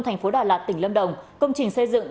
tp đà lạt tỉnh lâm đồng công trình xây dựng